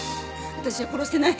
私は殺してない。